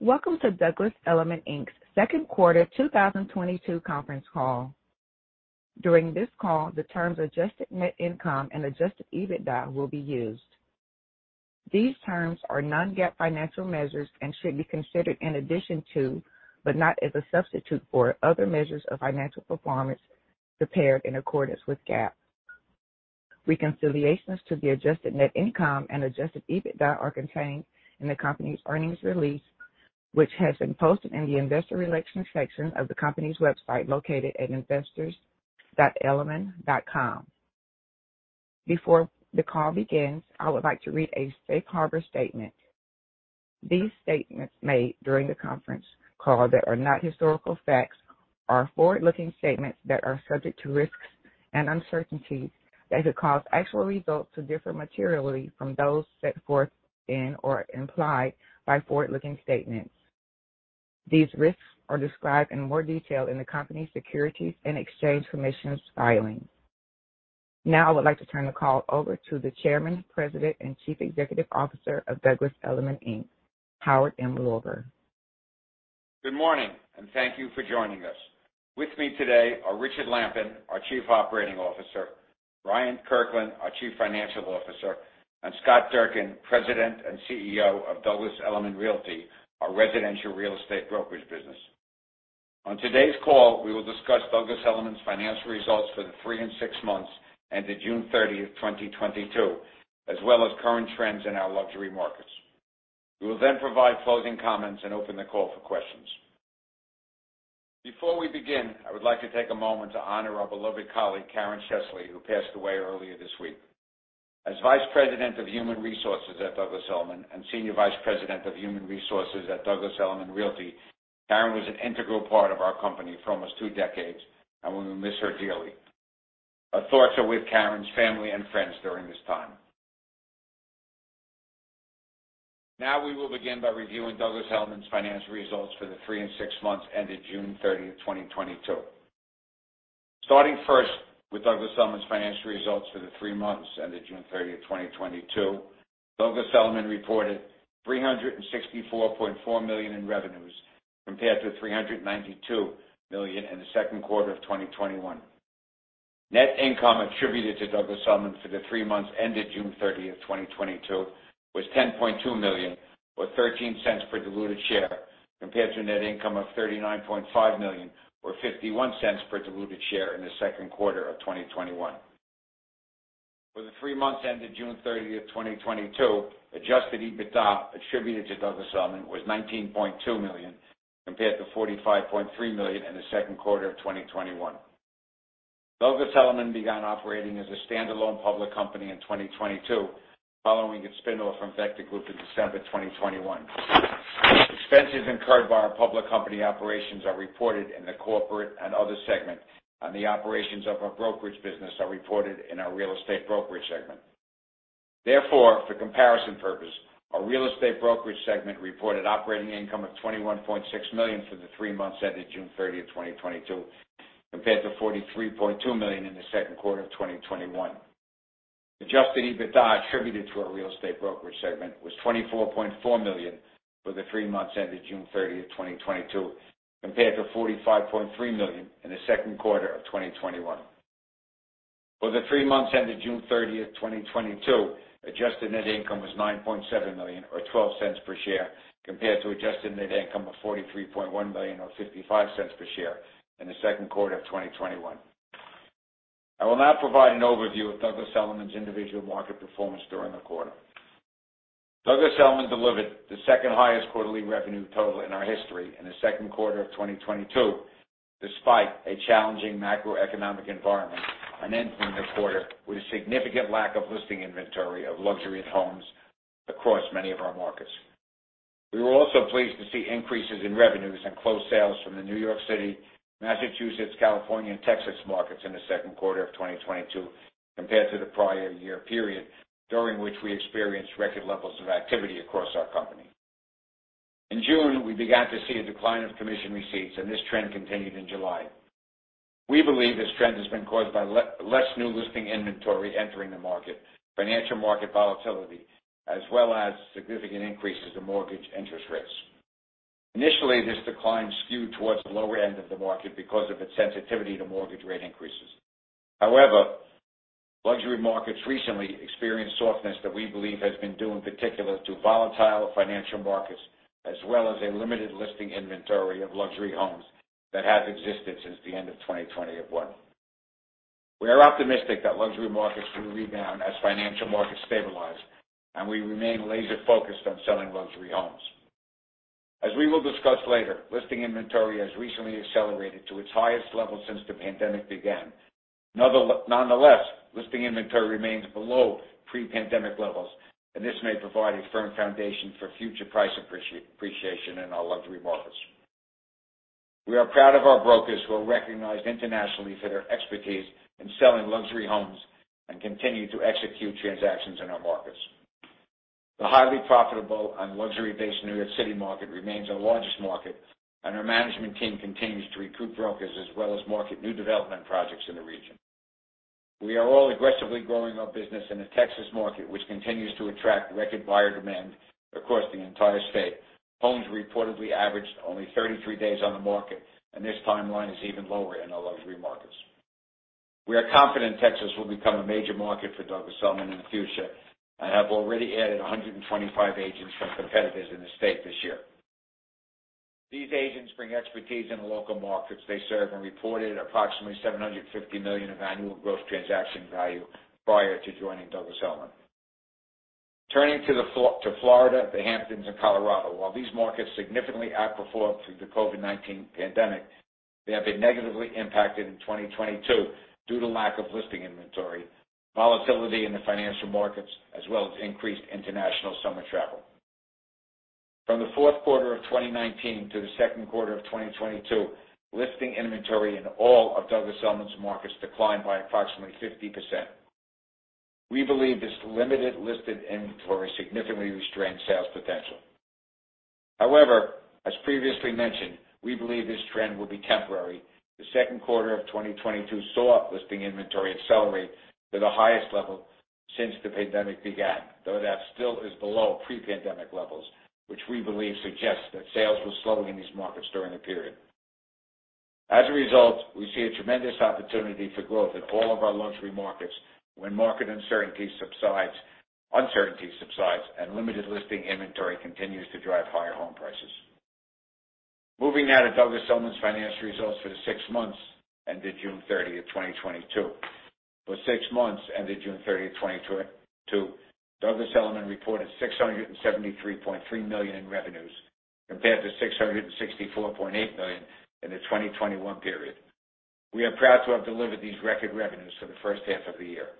Welcome to Douglas Elliman Inc's second quarter 2022 conference call. During this call, the terms adjusted net income and Adjusted EBITDA will be used. These terms are non-GAAP financial measures and should be considered in addition to, but not as a substitute for other measures of financial performance prepared in accordance with GAAP. Reconciliations to the adjusted net income and Adjusted EBITDA are contained in the company's earnings release, which has been posted in the investor relations section of the company's website located at investors.elliman.com. Before the call begins, I would like to read a safe harbor statement. These statements made during the conference call that are not historical facts are forward-looking statements that are subject to risks and uncertainties that could cause actual results to differ materially from those set forth in or implied by forward-looking statements. These risks are described in more detail in the company's Securities and Exchange Commission filing. Now I would like to turn the call over to the Chairman, President, and Chief Executive Officer of Douglas Elliman Inc., Howard M. Lorber. Good morning, and thank you for joining us. With me today are Richard Lampen, our Chief Operating Officer, Bryant Kirkland, our Chief Financial Officer, and Scott Durkin, President and CEO of Douglas Elliman Realty, our residential real estate brokerage business. On today's call, we will discuss Douglas Elliman's financial results for the three and six months ended June 30, 2022, as well as current trends in our luxury markets. We will then provide closing comments and open the call for questions. Before we begin, I would like to take a moment to honor our beloved colleague, Karen Chesley, who passed away earlier this week. As Vice President of Human Resources at Douglas Elliman, and Senior Vice President of Human Resources at Douglas Elliman Realty, Karen was an integral part of our company for almost two decades, and we will miss her dearly. Our thoughts are with Karen's family and friends during this time. Now we will begin by reviewing Douglas Elliman's financial results for the three and six months ended June 30, 2022. Starting first with Douglas Elliman's financial results for the three months ended June 30, 2022, Douglas Elliman reported $364.4 million in revenues compared to $392 million in the second quarter of 2021. Net income attributable to Douglas Elliman for the three months ended June 30, 2022 was $10.2 million, or $0.13 per diluted share, compared to a net income of $39.5 million or $0.51 per diluted share in the second quarter of 2021. For the three months ended June 30, 2022, Adjusted EBITDA attributed to Douglas Elliman was $19.2 million, compared to $45.3 million in the second quarter of 2021. Douglas Elliman began operating as a standalone public company in 2022, following its spin-off from Vector Group in December 2021. Expenses incurred by our public company operations are reported in the corporate and other segment, and the operations of our brokerage business are reported in our real estate brokerage segment. Therefore, for comparison purposes, our real estate brokerage segment reported operating income of $21.6 million for the three months ended June 30, 2022, compared to $43.2 million in the second quarter of 2021. Adjusted EBITDA attributed to our real estate brokerage segment was $24.4 million for the three months ended June 30, 2022, compared to $45.3 million in the second quarter of 2021. For the three months ended June 30, 2022, adjusted net income was $9.7 million or $0.12 per share, compared to adjusted net income of $43.1 million or $0.55 per share in the second quarter of 2021. I will now provide an overview of Douglas Elliman's individual market performance during the quarter. Douglas Elliman delivered the second-highest quarterly revenue total in our history in the second quarter of 2022, despite a challenging macroeconomic environment and ending the quarter with a significant lack of listing inventory of luxury homes across many of our markets. We were also pleased to see increases in revenues and close sales from the New York City, Massachusetts, California, and Texas markets in the second quarter of 2022 compared to the prior year period, during which we experienced record levels of activity across our company. In June, we began to see a decline of commission receipts, and this trend continued in July. We believe this trend has been caused by less new listing inventory entering the market, financial market volatility, as well as significant increases in mortgage interest rates. Initially, this decline skewed towards the lower end of the market because of its sensitivity to mortgage rate increases. However, luxury markets recently experienced softness that we believe has been due in particular to volatile financial markets, as well as a limited listing inventory of luxury homes that has existed since the end of 2021. We are optimistic that luxury markets will rebound as financial markets stabilize, and we remain laser-focused on selling luxury homes. As we will discuss later, listing inventory has recently accelerated to its highest level since the pandemic began. Nonetheless, listing inventory remains below pre-pandemic levels, and this may provide a firm foundation for future price appreciation in our luxury markets. We are proud of our brokers who are recognized internationally for their expertise in selling luxury homes and continue to execute transactions in our markets. The highly profitable and luxury-based New York City market remains our largest market, and our management team continues to recruit brokers as well as market new development projects in the region. We are all aggressively growing our business in the Texas market, which continues to attract record buyer demand across the entire state. Homes reportedly averaged only 33 days on the market, and this timeline is even lower in our luxury markets. We are confident Texas will become a major market for Douglas Elliman in the future and have already added 125 agents from competitors in the state this year. These agents bring expertise in the local markets they serve and reported approximately $750 million of annual gross transaction value prior to joining Douglas Elliman. Turning to Florida, the Hamptons, and Colorado. While these markets significantly outperformed through the COVID-19 pandemic, they have been negatively impacted in 2022 due to lack of listing inventory, volatility in the financial markets, as well as increased international summer travel. From the fourth quarter of 2019 to the second quarter of 2022, listing inventory in all of Douglas Elliman's markets declined by approximately 50%. We believe this limited listed inventory significantly restrained sales potential. However, as previously mentioned, we believe this trend will be temporary. The second quarter of 2022 saw listing inventory accelerate to the highest level since the pandemic began, though that still is below pre-pandemic levels, which we believe suggests that sales were slowing in these markets during the period. As a result, we see a tremendous opportunity for growth in all of our luxury markets when market uncertainty subsides, and limited listing inventory continues to drive higher home prices. Moving now to Douglas Elliman’s financial results for the six months ended June 30, 2022. For six months ended June 30, 2022, Douglas Elliman reported $673.3 million in revenues compared to $664.8 million in the 2021 period. We are proud to have delivered these record revenues for the first half of the year.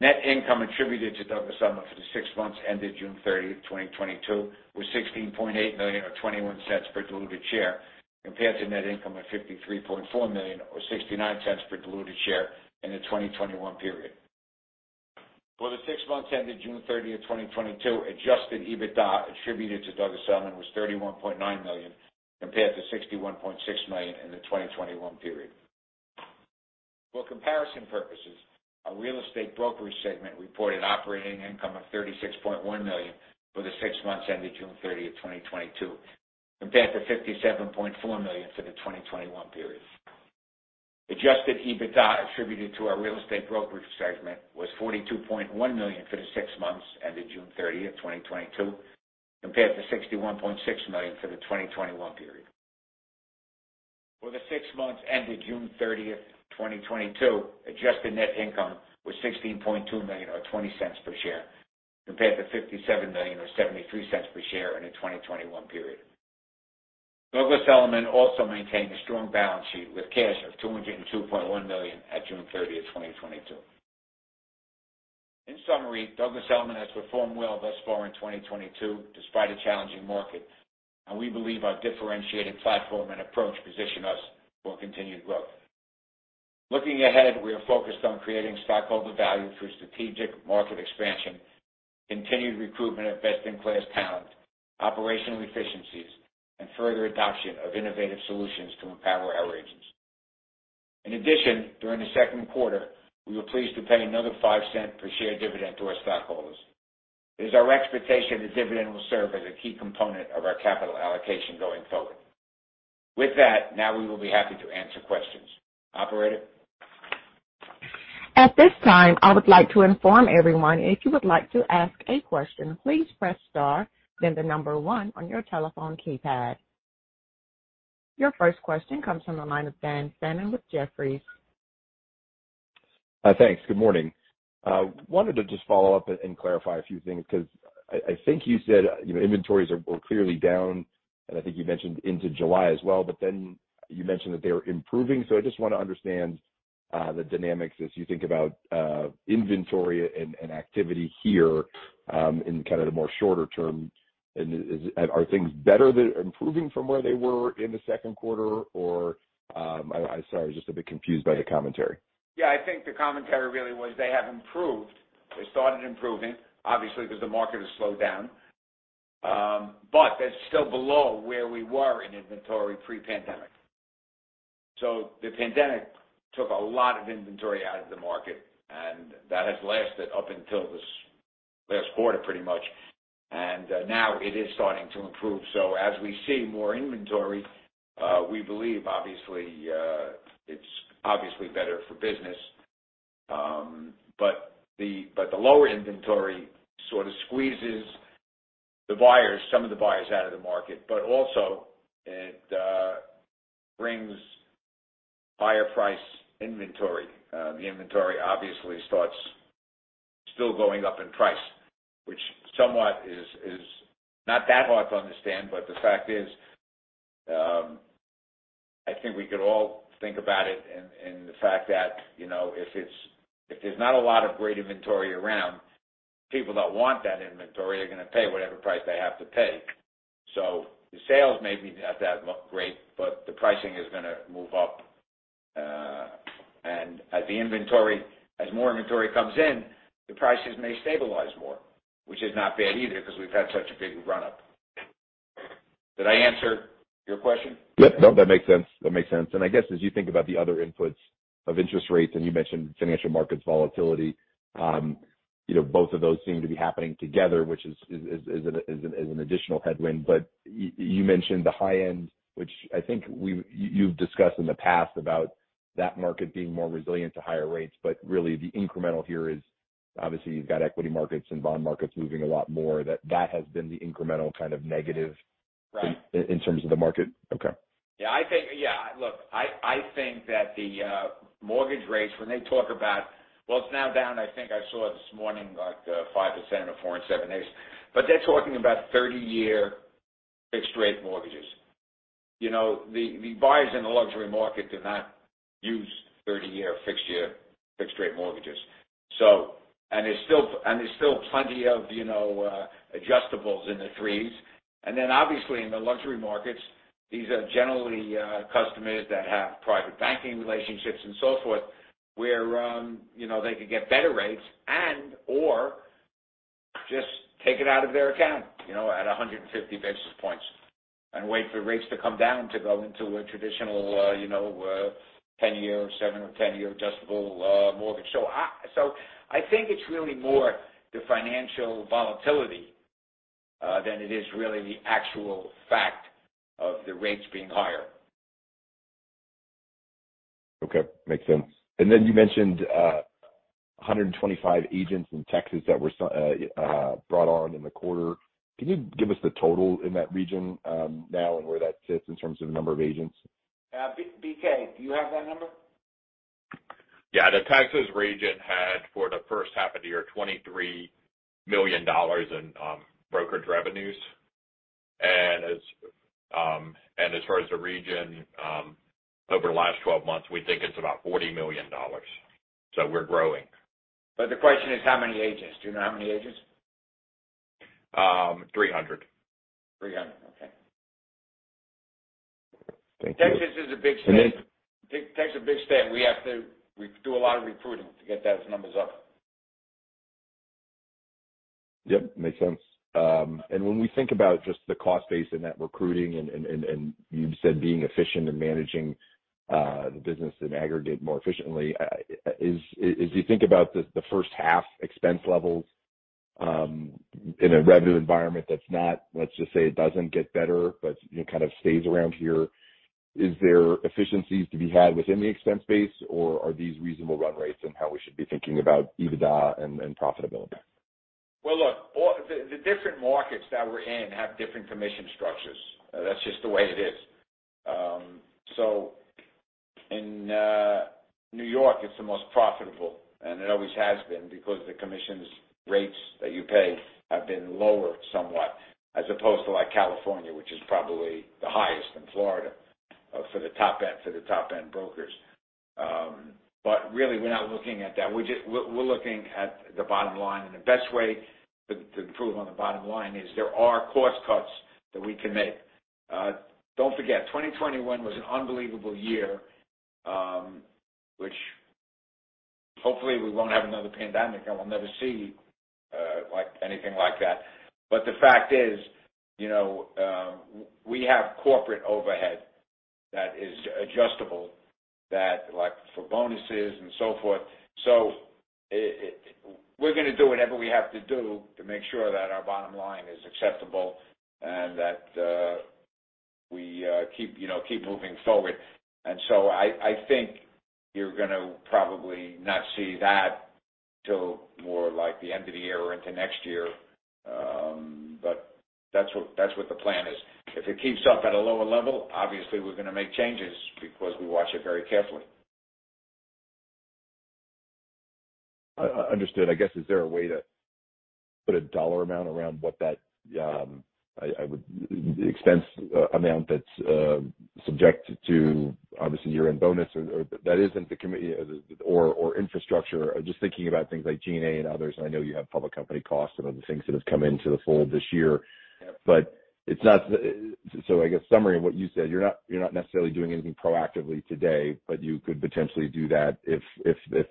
Net income attributed to Douglas Elliman for the six months ended June 30, 2022 was $16.8 million, or $0.21 per diluted share, compared to net income of $53.4 million or $0.69 per diluted share in the 2021 period. For the six months ended June 30, 2022, Adjusted EBITDA attributed to Douglas Elliman was $31.9 million, compared to $61.6 million in the 2021 period. For comparison purposes, our real estate brokerage segment reported operating income of $36.1 million for the six months ended June 30, 2022, compared to $57.4 million for the 2021 period. Adjusted EBITDA attributed to our real estate brokerage segment was $42.1 million for the six months ended June 30, 2022, compared to $61.6 million for the 2021 period. For the six months ended June 30, 2022, adjusted net income was $16.2 million or $0.20 per share, compared to $57 million or $0.73 per share in the 2021 period. Douglas Elliman also maintained a strong balance sheet with cash of $202.1 million at June 30, 2022. In summary, Douglas Elliman has performed well thus far in 2022 despite a challenging market, and we believe our differentiated platform and approach position us for continued growth. Looking ahead, we are focused on creating stockholder value through strategic market expansion, continued recruitment of best-in-class talent, operational efficiencies, and further adoption of innovative solutions to empower our agents. In addition, during the second quarter, we were pleased to pay another $0.05 per share dividend to our stockholders. It is our expectation the dividend will serve as a key component of our capital allocation going forward. With that, now we will be happy to answer questions. Operator? At this time, I would like to inform everyone if you would like to ask a question, please press star, then the number one on your telephone keypad. Your first question comes from the line of Dan Fannon with Jefferies. Thanks. Good morning. Wanted to just follow up and clarify a few things, 'cause I think you said, you know, inventories are, were clearly down, and I think you mentioned into July as well, but then you mentioned that they were improving. I just wanna understand the dynamics as you think about inventory and activity here in kinda the more shorter term. Are things better than improving from where they were in the second quarter? Or, sorry, I was just a bit confused by the commentary. Yeah, I think the commentary really was they have improved. They started improving, obviously, because the market has slowed down. They're still below where we were in inventory pre-pandemic. The pandemic took a lot of inventory out of the market, and that has lasted up until this last quarter, pretty much. Now it is starting to improve. As we see more inventory, we believe obviously, it's obviously better for business. But the lower inventory sort of squeezes the buyers, some of the buyers out of the market, but also it brings higher price inventory. The inventory obviously starts still going up in price, which somewhat is not that hard to understand. The fact is, I think we could all think about it in the fact that, you know, if there's not a lot of great inventory around, people that want that inventory are gonna pay whatever price they have to pay. The sales may be not that great, but the pricing is gonna move up, and as more inventory comes in, the prices may stabilize more, which is not bad either because we've had such a big run-up. Did I answer your question? Yep. No, that makes sense. That makes sense. I guess as you think about the other inputs of interest rates, and you mentioned financial markets volatility, you know, both of those seem to be happening together, which is an additional headwind. You mentioned the high end, which I think you've discussed in the past about that market being more resilient to higher rates. Really the incremental here is obviously you've got equity markets and bond markets moving a lot more. That has been the incremental kind of negative. Right. In terms of the market. Okay. Yeah, look, I think that the mortgage rates, when they talk about. Well, it's now down, I think I saw this morning, like, 5% or 4.78%. They're talking about 30-year fixed-rate mortgages. You know, the buyers in the luxury market do not use 30-year fixed-rate mortgages. There's still plenty of, you know, adjustables in the 3%s. Obviously in the luxury markets, these are generally customers that have private banking relationships and so forth, where, you know, they could get better rates and or just take it out of their account, you know, at 150 basis points and wait for rates to come down to go into a traditional, you know, 10-year, seven- or 10-year adjustable mortgage. I think it's really more the financial volatility than it is really the actual fact of the rates being higher. Okay. Makes sense. You mentioned 125 agents in Texas that were brought on in the quarter. Can you give us the total in that region now and where that sits in terms of the number of agents? B.K., do you have that number? Yeah. The Texas region had for the first half of the year, $23 million in brokerage revenues. As far as the region, over the last 12 months, we think it's about $40 million. We're growing. The question is how many agents? Do you know how many agents? 300. 300. Okay. Thank you. Texas is a big state. We do a lot of recruiting to get those numbers up. Yep, makes sense. When we think about just the cost base in that recruiting and you said being efficient and managing the business in aggregate more efficiently, as you think about the first half expense levels in a revenue environment let's just say it doesn't get better, but you know, kind of stays around here, is there efficiencies to be had within the expense base or are these reasonable run rates and how we should be thinking about EBITDA and profitability? Well, look, the different markets that we're in have different commission structures. That's just the way it is. In New York, it's the most profitable, and it always has been because the commission rates that you pay have been lower somewhat as opposed to like California which is probably the highest in Florida for the top end brokers. Really we're not looking at that. We're looking at the bottom line. The best way to improve on the bottom line is there are cost cuts that we can make. Don't forget, 2021 was an unbelievable year, which hopefully we won't have another pandemic, and we'll never see like anything like that. The fact is, you know, we have corporate overhead that is adjustable that like for bonuses and so forth. We're gonna do whatever we have to do to make sure that our bottom line is acceptable and that we keep you know moving forward. I think you're gonna probably not see that till more like the end of the year or into next year. That's what the plan is. If it keeps up at a lower level, obviously we're gonna make changes because we watch it very carefully. Understood. I guess, is there a way to put a dollar amount around what that the expense amount that's subject to obviously year-end bonus or that isn't the committee or infrastructure. Just thinking about things like G&A and others. I know you have public company costs and other things that have come into the fold this year. Yeah. It's not. I guess summary of what you said, you're not necessarily doing anything proactively today, but you could potentially do that if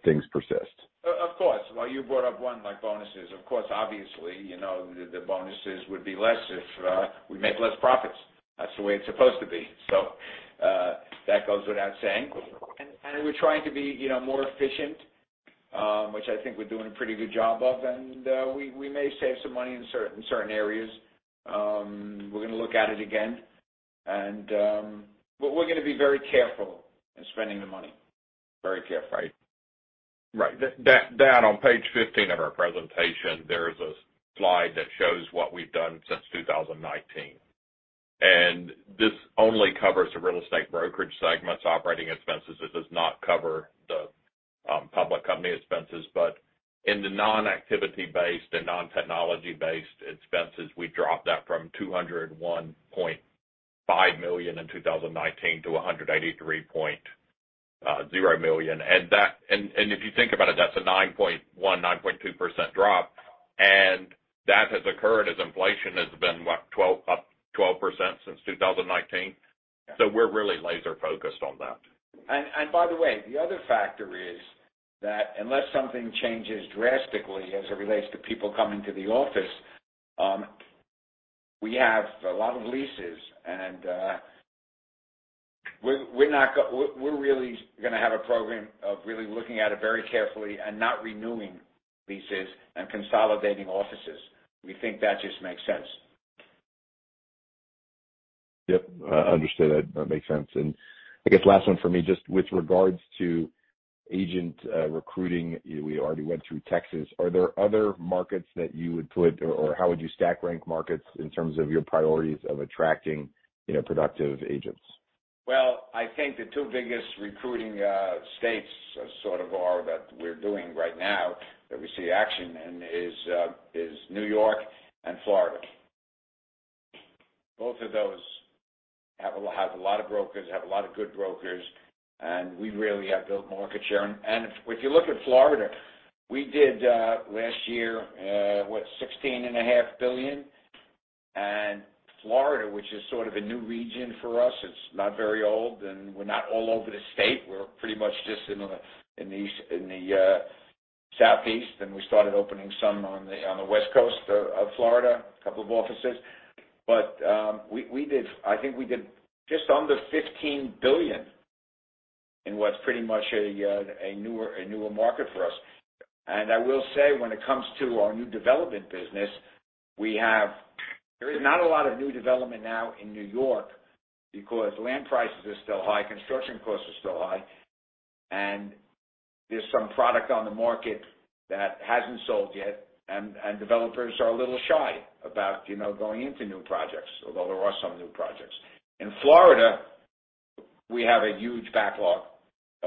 things persist. Of course. Well, you brought up one like bonuses. Of course, obviously, you know, the bonuses would be less if we make less profits. That's the way it's supposed to be. That goes without saying. We're trying to be, you know, more efficient, which I think we're doing a pretty good job of. We may save some money in certain areas. We're gonna look at it again. We're gonna be very careful in spending the money. Very careful. Right. Dan, on page 15 of our presentation, there's a slide that shows what we've done since 2019. This only covers the real estate brokerage segments, operating expenses. It does not cover the public company expenses. In the non-activity-based and non-technology-based expenses, we dropped that from $201.5 million in 2019 to $183.0 million. If you think about it, that's a 9.1%-9.2% drop. That has occurred as inflation has been, what? 12%, up 12% since 2019. We're really laser focused on that. By the way, the other factor is that unless something changes drastically as it relates to people coming to the office, we have a lot of leases and we're really gonna have a program of really looking at it very carefully and not renewing leases and consolidating offices. We think that just makes sense. Yep. Understood. That makes sense. I guess last one for me, just with regards to agent recruiting, we already went through Texas. Are there other markets that you would put or how would you stack rank markets in terms of your priorities of attracting, you know, productive agents? Well, I think the two biggest recruiting states sort of are that we're doing right now that we see action in is New York and Florida. Both of those have a lot of brokers, have a lot of good brokers, and we really have built market share. If you look at Florida, we did last year what? $16.5 billion. Florida, which is sort of a new region for us, it's not very old, and we're not all over the state. We're pretty much just in the southeast. We started opening some on the west coast of Florida, a couple of offices. We did. I think we did just under $15 billion in what's pretty much a newer market for us. I will say when it comes to our new development business, there is not a lot of new development now in New York because land prices are still high, construction costs are still high, and there's some product on the market that hasn't sold yet, and developers are a little shy about, you know, going into new projects, although there are some new projects. In Florida, we have a huge backlog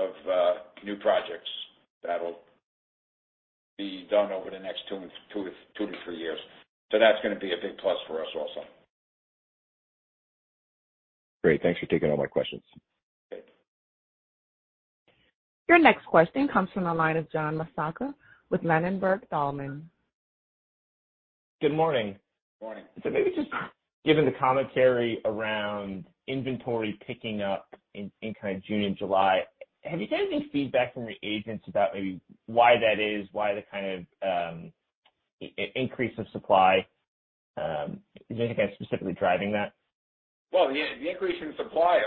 of new projects that'll be done over the next two to three years. That's gonna be a big plus for us also. Great. Thanks for taking all my questions. Okay. Your next question comes from the line of John Massocca with Ladenburg Thalmann. Good morning. Morning. Maybe just given the commentary around inventory picking up in kind of June and July, have you got any feedback from your agents about maybe why that is, why the kind of increase of supply is anything specifically driving that? The increase in supply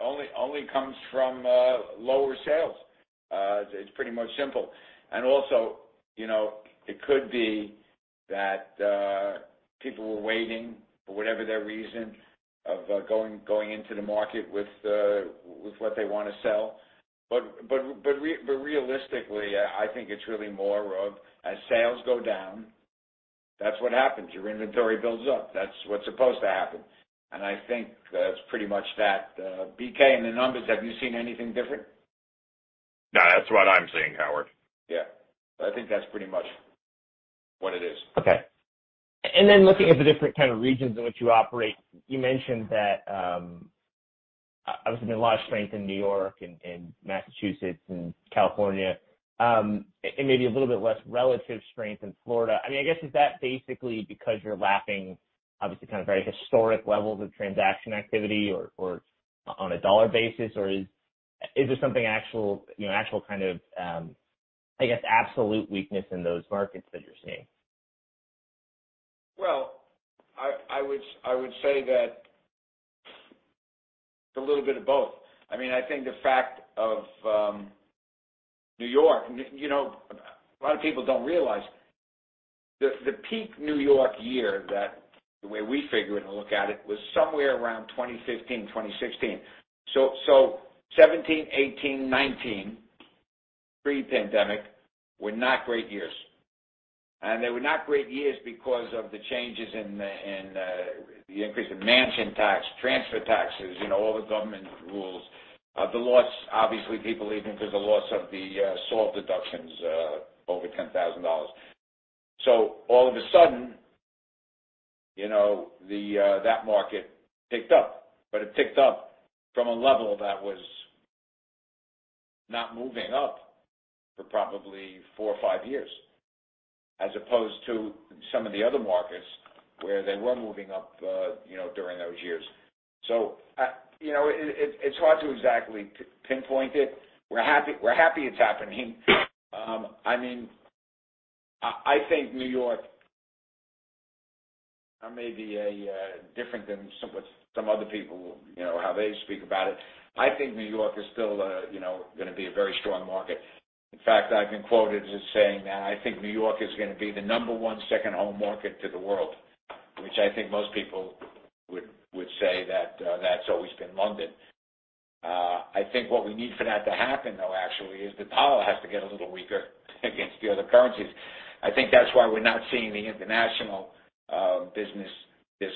only comes from lower sales. It's pretty much simple. Also, you know, it could be that people were waiting for whatever their reason of going into the market with what they wanna sell. Realistically, I think it's really more of as sales go down, that's what happens. Your inventory builds up. That's what's supposed to happen. I think that's pretty much that. B.K., in the numbers, have you seen anything different? No, that's what I'm seeing, Howard. Yeah. I think that's pretty much what it is. Okay. Looking at the different kind of regions in which you operate, you mentioned that, obviously there's a lot of strength in New York and Massachusetts and California, and maybe a little bit less relative strength in Florida. I mean, I guess, is that basically because you're lapping obviously kind of very historic levels of transaction activity or on a dollar basis, or is there something actual, you know, actual kind of, I guess, absolute weakness in those markets that you're seeing? I would say that it's a little bit of both. I mean, I think the fact is New York, you know, a lot of people don't realize this. The peak New York year that the way we figure it and look at it was somewhere around 2015, 2016. 2017, 2018, 2019, pre-pandemic were not great years. They were not great years because of the changes in the increase in mansion tax, transfer taxes, you know, all the government rules. The loss, obviously, of the SALT deductions over $10,000. All of a sudden, you know, that market ticked up, but it ticked up from a level that was not moving up for probably four or five years, as opposed to some of the other markets where they were moving up, you know, during those years. You know, it's hard to exactly pinpoint it. We're happy it's happening. I mean, I think New York, I may be a different than some other people, you know, how they speak about it. I think New York is still, you know, gonna be a very strong market. In fact, I've been quoted as saying that I think New York is gonna be the number one second home market to the world, which I think most people would say that's always been London. I think what we need for that to happen, though, actually, is the U.S. dollar has to get a little weaker against the other currencies. I think that's why we're not seeing the international business this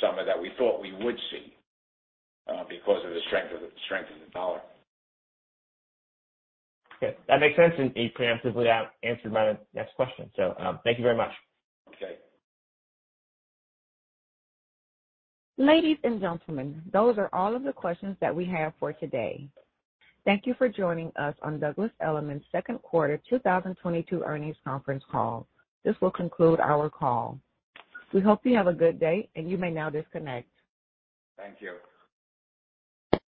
summer that we thought we would see, because of the strength of the U.S. dollar. Okay. That makes sense. You preemptively answered my next question. Thank you very much. Okay. Ladies and gentlemen, those are all of the questions that we have for today. Thank you for joining us on Douglas Elliman's second quarter 2022 earnings conference call. This will conclude our call. We hope you have a good day, and you may now disconnect. Thank you.